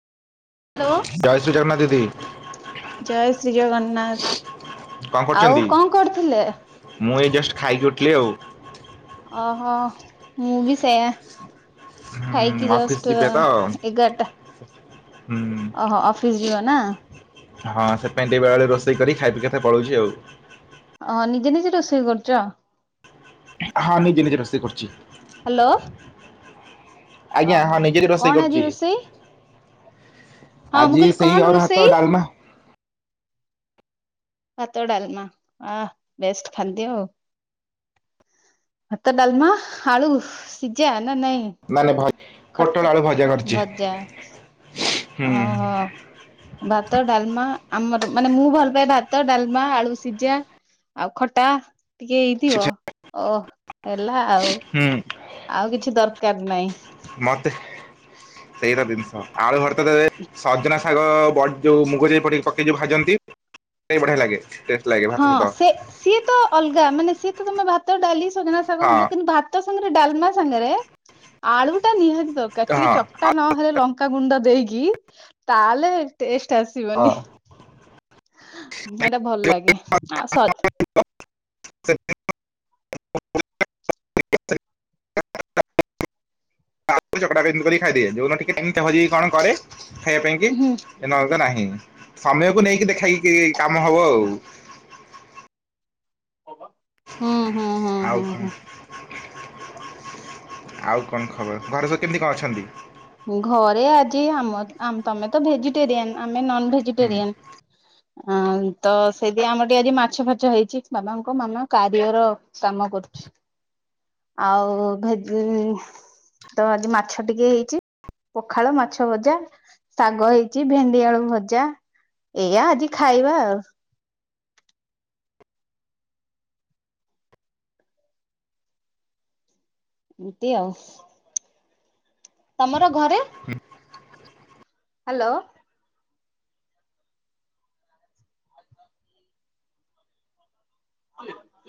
Hello. ଜୟ ଶ୍ରୀ ଜଗନ୍ନାଥ ଦିଦି। ଜୟ ଶ୍ରୀ ଜଗନ୍ନାଥ କଣ ଆଉ କରୁଛନ୍ତି? କଣ କରୁଥିଲେ। ମୁଁ ଏ ଜଷ୍ଟ ଖାଇକି ଉଠିଲି ଆଉ ଓହୋ ମୁଁ ବି ସେୟା ଖାଇକି ହୁଁ ଅଫିସ ଜଷ୍ଟ ଯିବେ ତ ଏଗାରଟା ହୁଁ ଓହୋ ଅଫିସ ଯିବ ନା ହଁ ସେଥିପାଇଁ ଟିକେ ବେଳାବେଳି ରୋଷେଇ କରି ଖାଇପିକି ଏକା ଥରେ ପଳଉଛି ଆଉ ଓ ନିଜେ ନିଜେ ରୋଷେଇ କରୁଚ? ହଁ ନିଜେ ନିଜେ ରୋଷେଇ କରୁଛି। ହ୍ୟାଲୋ ଆଜ୍ଞା ଓହୋ ହଁ ନିଜେ ହିଁ ରୋଷେଇ କଣ ଆଜି କରୁଛି। ରୋଷେଇ? ହଁ ମୁଁ ଆଜି ବି କହିଲି କଣ ସେଇ ଅରୁଆ ହାତ ରୋଷେଇ? ଡାଲମା। ଭାତ ଡାଲମା ଆଃ ବେଷ୍ଟ ଖାଦ୍ୟ ଆଉ। ଭାତ ଡାଲମା ଆଳୁ ସିଜା ନା ନାଇଁ? ନାନି ଭାଇ। ଖର୍ତା ଭଜା ହୁଁ ଓ ହୋ ଭାତ ଡାଲମା ଆମର ମାନେ ମୁଁ ଭଲ ପାାଏ ଭାତ ଡାଲମା ଆଳୁ ସିଝା ଆଉ ଖଟା ଟିକେ ଛି, ହେଇଥିବ ଛି। ଓଃ। ହେଲା ଆଉ ହୁଁ ଆଉ କିଛି ଦରକାର ନାହିଁ। ମତେ ସେଇରା ଜିନିଷ ଆଳୁ ଭର୍ତା ଟା ରେ ସଜନା ଶାଗ ବଢ଼ି ଯୋଉ ମୁଗ ଯାଇ ପଡି ପକେଇକି ଯୋଉ ଭାଜନ୍ତି ବଢିଆ ଲାଗେ। ଲାଗେ ଭାତ ହଁ ସହିତ ସେ ସିଏ ତ ଅଲଗା ମାନେ ସିଏ ତ ତମେ ଭାତ ଡାଲି ସଜନା ଶାଗ ମୁଗ ହଁ କିନ୍ତୁ ଭାତ ତ ସାଙ୍ଗରେ ଡାଲମା ସାଙ୍ଗରେ ଆଳୁ ଟା ନିହାତି ଦରକାର ଟିକେ ହଁ ଚକଟା ନହେଲେ ଲ ଙ୍କା ଗୁଣ୍ଡ ଦେଇକି ତାହେଲେ ଟେଷ୍ଟ ଆଉ ଆସିବନି। ହଁ ହେଟା ଭଲ ଲାଗେ। ଆ ସ [inaudible] [inaudible] ଆଳୁ ଚକଟା ଚକଟି ଖାଇଦିଏ। ଯୋଉ ଦିନ ଟିକେ [unintelligible] କଣ କରେ। ଖାଇବା ପାଇଁ କି ହୁଁ ଏ ନହ ତ ନାହିଁ ସମୟକୁ ନେଇକି ଦେଖାଇକି କାମ ହବ ଆଉ। ହଁ ହଁ ଆଉ କଣ? ଘର ସବୁ କେମିତି କଣ ଅଛନ୍ତି? ଘରେ ଆଜି ଆମର ଆମ୍ ତମେ ତ ଭେଜିଟେରିଆନ ଆମେ ନନ ହୁଁ। ଭେଜିଟେରିଆନ। ଆଁ ତ ସେଥି ପାଇଁ ଆମର ଟିକେ ଆଜି ମାଛ ଫାଛ ହେଇଛି। ବାବାଙ୍କ ମାମା କାରିଅର କାମ କରୁଛି। ଆଉ ଭେଦିରେ ତ ଆଜି ମାଛ ଟିକେ ହେଇଛି। ପଖାଳ ମାଛ ଭଜା ଶାଗ ହେଇଛି ଭେଣ୍ଡି ଆଳୁ ଭଜା। ଏଇଆ ଆଜି ଖାଇବା ଆଉ। ଏମିତି ଆଉ। ତମର ଘରେ? [inaudible] ହ୍ୟାଲୋ [inaudible]